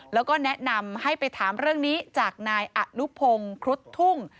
แล้วก็แนะนำให้ไปถามเรื่องนี้จากนายอนุพงศ์ครุฑทุ่ง